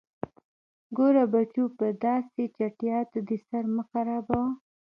_ګوره بچو، په داسې چټياټو دې سر مه خرابوه.